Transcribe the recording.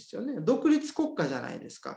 独立国家じゃないですか。